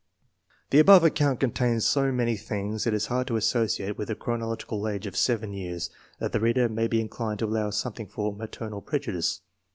The above account contains so many things it is hard to associate with the chronological age of 7 years that the reader may be inclined to allow something for maternal prejudice.